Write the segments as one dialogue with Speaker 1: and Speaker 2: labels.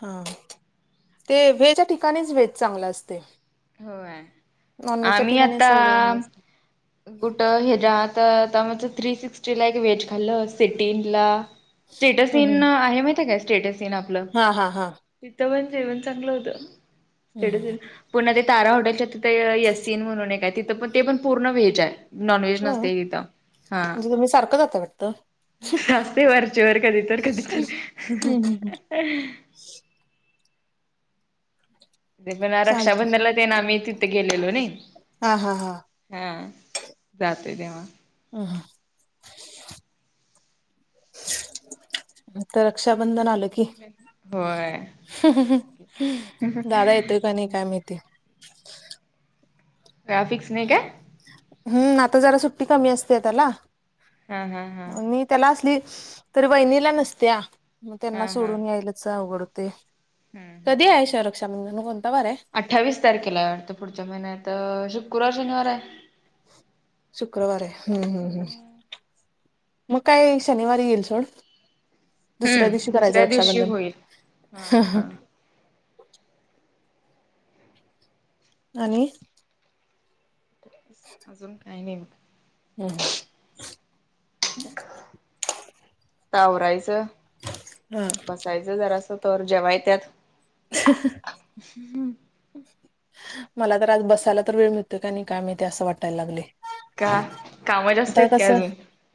Speaker 1: हा, ते व्हेच्या ठिकाणीच व्हेज चांगला असतं.
Speaker 2: होय, आम्ही
Speaker 1: ठिकाणी असं
Speaker 2: आता...
Speaker 1: एवढं हे नसतं
Speaker 2: कुठं हच्यात आता, म्हणजे थ्री सिक्स्टीला एक व्हेज खाल्लं, सिटीनला. स्टेटस
Speaker 1: हं
Speaker 2: इन
Speaker 1: हं
Speaker 2: आहे माहिती आहे काय स्टेटस इन आप
Speaker 1: हा हा हा
Speaker 2: तिथं पण जेवण चांगलं होतं
Speaker 1: हं
Speaker 2: स्टेटस
Speaker 1: हं
Speaker 2: इन पुन्हा ते तारा हॉटेलच्या येसीन म्हणून एक हाय तिथं पण ते पण पूर्ण व्हेज आहे नॉन व्हेज
Speaker 1: होय
Speaker 2: नसतेय तिथं.
Speaker 1: म्हणजे तुम्ही सारखं जाता वाटतं.
Speaker 2: आसतोय वरचेवर कधी तर कधी तर
Speaker 1: हं
Speaker 2: ह
Speaker 1: हं हं
Speaker 2: ह ते पण
Speaker 1: चालतंय
Speaker 2: रक्षाबंधनला तेन आम्ही तिथे गेलेलो नाई
Speaker 1: हा हा हा
Speaker 2: हा जातय तेव्हा
Speaker 1: हा [inaudible] आता रक्षाबंधन आलं की.
Speaker 2: होय
Speaker 1: हं हं दादा येतोय का नाही काय माहिती?
Speaker 2: ग्राफिक्स
Speaker 1: हम्म आता जरा सुट्टी कमी असते त्याला
Speaker 2: हम हम हम
Speaker 1: आणि त्याला असली तरी वहिनीला नसत्या मग त्यांना
Speaker 2: हा
Speaker 1: सोडून यायलाच अवघड होतयं
Speaker 2: हा
Speaker 1: कधी आहे श रक्षाबंधन कोणता वार आहे
Speaker 2: अठ्ठावीस तारखेला वाटतं पुढच्या महिन्यात शुक्रवार शनिवार आहे
Speaker 1: शुक्रवार हाय हम्म हम् हम् मग काय शनिवारी येईल सोड दुसऱ्या
Speaker 2: हम्म
Speaker 1: दिवशी करायचं
Speaker 2: दुसऱ्या दिवशी
Speaker 1: रक्षाबंधन
Speaker 2: होईल
Speaker 1: हा हं आणि
Speaker 2: अजून काही नाही मग
Speaker 1: हम्म [inaudible]
Speaker 2: आवरायचं
Speaker 1: हा
Speaker 2: बसायचं जरासं तोवर जेवाय येत्यात
Speaker 1: हा हं
Speaker 2: ह हम
Speaker 1: मला तर आज बसायला तर वेळ मिळतोय का नाही काय माहीती असं वाटायला लागलेय
Speaker 2: का काम जास्त आहेत का अजून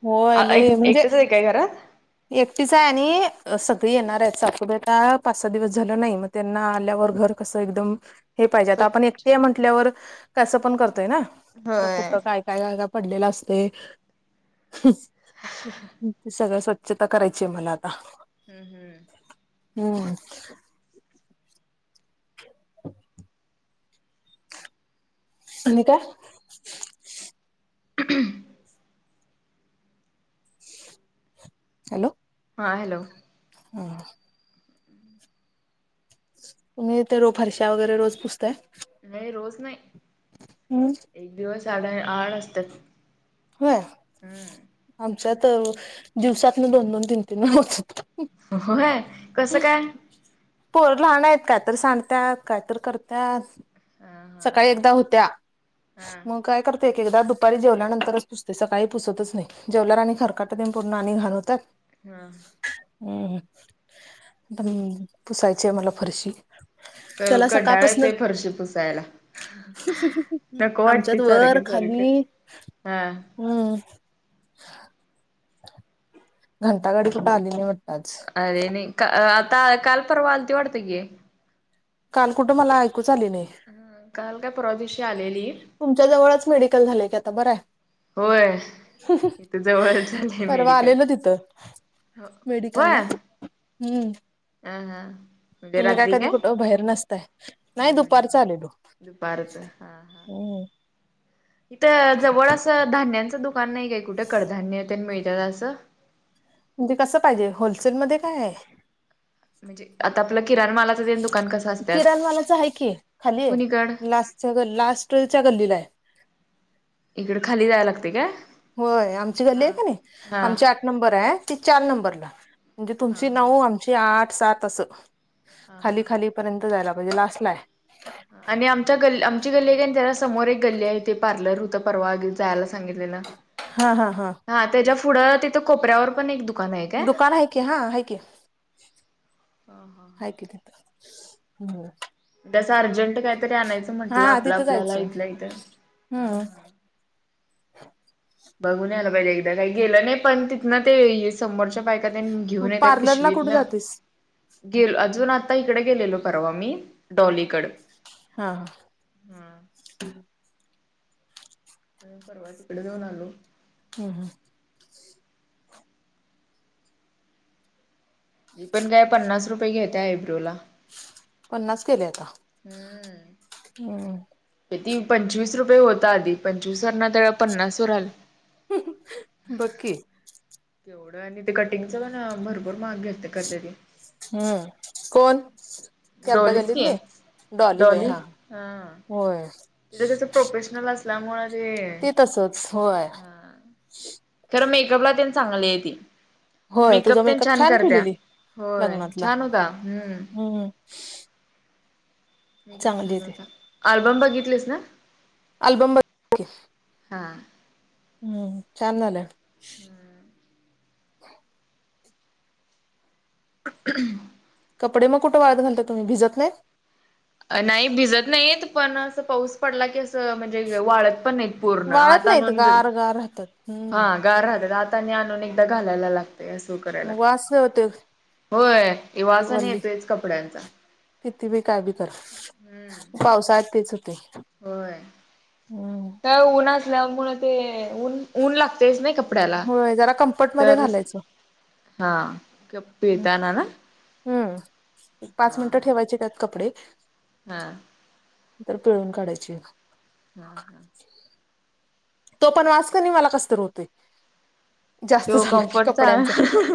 Speaker 1: होय
Speaker 2: एक
Speaker 1: लय म्हणजे
Speaker 2: एकटेच आहे काय घरात
Speaker 1: एकटीच आहे आणि सगळी येणार आहेत सासुबाई आता पाच सहा दिवस झाल नाही मग.. त्यांना आल्यावर घर कसं एकदम हे पाहिजे आता आपण
Speaker 2: स्वच्छ
Speaker 1: एकटे म्हटल्यावर कसं पण करतोय ना प
Speaker 2: होय
Speaker 1: कुठ काय काय [unintelligible] पडलेला असतेय हं
Speaker 2: हा हं
Speaker 1: ते सगळ स्वच्छता करायची आहे मला आता
Speaker 2: हम्म हम्म
Speaker 1: हम्म [inaudible] आणि काय
Speaker 2: [unintelligible]
Speaker 1: हॅलो
Speaker 2: हा हॅलो
Speaker 1: [unintelligible] तुम्ही तर रोज फरशा वगैरे रोज पुसताय
Speaker 2: नाही रोज नाही
Speaker 1: हम्म
Speaker 2: एक दिवस आड आड असतात
Speaker 1: होय
Speaker 2: हम्म
Speaker 1: आमच्यात दिवसातन दोन दोन तीन तीनदा होतेत
Speaker 2: होय, कसं काय,
Speaker 1: पोरं लहान हायत, कायतर सांडतात, कायतर करतात.
Speaker 2: हा हा
Speaker 1: सकाळी एकदा होत्या
Speaker 2: हा हा
Speaker 1: मग काय करतोय एक-एकदा दुपारी जेवल्यानंतरच पुसतयं सकाळी पुसतच नाही, जेवल्यावर आणि खरकाटं तेन पडून आणि घाण हुत्यात
Speaker 2: हा
Speaker 1: हूं.. हूं.. पण पुसायची हाय मला फरशी,
Speaker 2: करू
Speaker 1: त्याला
Speaker 2: कंटाळा
Speaker 1: सकाळपासून
Speaker 2: येतोय फरशी पुसायला, नको वाटतंय
Speaker 1: आमच्यात वर
Speaker 2: सारखं सारखं.
Speaker 1: खाली....
Speaker 2: हा.
Speaker 1: हम्म. घंटा गाडी कुठं आली नाही वाटतं आज?
Speaker 2: आली नाही का आता काल परवा आलती वाटतं की,
Speaker 1: काल कुठं मला ऐकूच आली नाही.
Speaker 2: ह काल काय परवा दिवशी आलेली
Speaker 1: तुमच्या जवळच मेडिकल झालय की आता बरांय.
Speaker 2: होय इथं जवळच झालेय
Speaker 1: तू
Speaker 2: मिडी
Speaker 1: आलेला तिथं.
Speaker 2: व्हयं
Speaker 1: हूं...
Speaker 2: म्हणजे
Speaker 1: तुम्ही काय
Speaker 2: रात्री
Speaker 1: कधी कुठं बाहेर नसताय, नाही दुपारचं आलेलो,
Speaker 2: दुपारचं हा. हा.
Speaker 1: हूं....
Speaker 2: इथं जवळ असं धान्यांचं दुकान नाही काय कुठं कडधान्य मिळतात असं?
Speaker 1: म्हणजे कसं पाहिजे, होलसेलमध्ये काय
Speaker 2: म्हणजे आता आपलं किराण मालात.
Speaker 1: किराणा मालाचा आहे की, खाली
Speaker 2: कुणीकड
Speaker 1: लास्ट लास्टच्या गल्लीला आहे.
Speaker 2: इकडं खाली जाया लागतयं काय?
Speaker 1: होय आमची गल्ली आहे
Speaker 2: हा
Speaker 1: का नाही
Speaker 2: हा
Speaker 1: आमची आठ नंबर आहे ती चार नंबरला. म्हणजे तुमची नऊ, आमची आठ, सात असं खाली खाली पर्यंत जायला पाहिजे लास्टला आहे.
Speaker 2: आणि आमच्या गल् आमची गल्ली का त्याला समोर एक गल्ली आहे, ते पार्लर होतं परवा जायला सांगितलेलं. [unintelligible]
Speaker 1: हां.. हां.. हा.
Speaker 2: हा त्याच्या पुढं तिथं कोपऱ्यावर पण एक दु
Speaker 1: दुकान आहे की, हा आहे की? हाय की तिथं... हूं...
Speaker 2: तसं अर्जंट काहीतरी आणायचं म्हटलं आपलं आपल्याला इथलं इथं.
Speaker 1: हं..
Speaker 2: बघून याला पाहिजे एकदा काही गेलं नाही पण तिथनं ते समोरच्या बायका तेनी घेऊन
Speaker 1: मग
Speaker 2: येत्यात
Speaker 1: पार्लरला
Speaker 2: पिशवीत
Speaker 1: कुठे
Speaker 2: नं.
Speaker 1: जातेस
Speaker 2: गेल अजून आता इकडे गेलेलो परवा मी डॉलीकड.
Speaker 1: हा हा.
Speaker 2: आम्ही परवा तिकडं जाऊन आलो.
Speaker 1: ह.. हां.
Speaker 2: मी पण काय पन्नास रुपये घेत्या आयब्रोला.
Speaker 1: पन्नास केले आता.
Speaker 2: हम्म.
Speaker 1: हम्म.
Speaker 2: ती पंचवीस रुपये होत आधी पंचवीस वरन आता पन्नास वर आले.
Speaker 1: बघ की
Speaker 2: तेवढं आणि ते कटिंगच पण भरपूर महाग घ्या ते करत्याती.
Speaker 1: हम्म, कोण? ते आपल्या
Speaker 2: डॉलीच की
Speaker 1: गल्लीतली, डॉली बाई हा, होय.
Speaker 2: तिथं कस प्रोफेशनल असल्यामुळ ते,
Speaker 1: तसच होय
Speaker 2: हा. खर मेकअपला तेन चांगली आहे ती.
Speaker 1: होय
Speaker 2: मेकअप
Speaker 1: तुझा
Speaker 2: तेन छान करत्या,
Speaker 1: केलेली
Speaker 2: होय
Speaker 1: लग्नातला
Speaker 2: छान होता, हम्म.
Speaker 1: हम्म. चांगली आहे ती
Speaker 2: अल्बम बघितलीस ना?
Speaker 1: अल्बम ब [unintelligible]
Speaker 2: हा.
Speaker 1: हम्म छान झालय.
Speaker 2: हम्म. [inaudible]
Speaker 1: कपडे म कुठ वाळत घालता तम्ही भिजत नाहीत.
Speaker 2: नाही भिजत नाहीत पण असं पाऊस पडला की असं म्हणजे ते वाळत पण नाही पूर्ण
Speaker 1: वाळत
Speaker 2: आत
Speaker 1: नाहीत
Speaker 2: आणून
Speaker 1: गार गार राहतात. हम्म
Speaker 2: हा गार राहतात आता आणि आणून एकदा घालायला लाग असं कराय लागत,
Speaker 1: वास होते
Speaker 2: होय ये
Speaker 1: ती
Speaker 2: वासा आणि
Speaker 1: वल्ली
Speaker 2: येतोयच कपड्यांचा.
Speaker 1: किती बी काय बी कर, पावसाळ्यात तेच होतय.
Speaker 2: होय.
Speaker 1: हम.
Speaker 2: काय ऊन असल्या मूळ ते ऊन ऊन लागतयच नय कप कपड्याला,
Speaker 1: होय जरा कम्फर्ट मध्ये
Speaker 2: तरच
Speaker 1: घालायचं
Speaker 2: हा, पिळताना ना.
Speaker 1: हम पाच
Speaker 2: हा
Speaker 1: मिनटं
Speaker 2: हा
Speaker 1: ठेवायची त्यात कपडे.
Speaker 2: हा.
Speaker 1: नंतर पिळून काढायची [unintelligible]
Speaker 2: हा हा.
Speaker 1: तो पण वास कनी मला कस तर होतय.
Speaker 2: तो कम्फर्टचा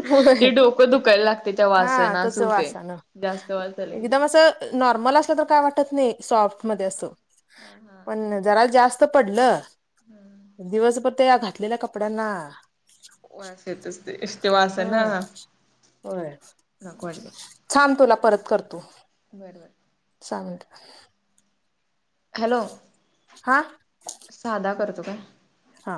Speaker 1: होय
Speaker 2: ते डोकं दुकायला लागतय त्या
Speaker 1: हा
Speaker 2: वासान अस
Speaker 1: तस
Speaker 2: हुतय.
Speaker 1: वासान
Speaker 2: जास्त वास आला की.
Speaker 1: एकदम असं नॉर्मल असल तर काय वाटत नाही सॉफ्ट मधे अस, पण जरा जास्त त पडलं
Speaker 2: हम्म.
Speaker 1: दिवसभर त्या घातलेल्या कपड्यांना
Speaker 2: वास येत असतोय तो
Speaker 1: ह
Speaker 2: वासान [unintelligible]
Speaker 1: थांम तुला परत करतो.
Speaker 2: बर बर.
Speaker 1: चालतय.
Speaker 2: हॅलो,
Speaker 1: हा
Speaker 2: सादा करतो काय.
Speaker 1: हा! !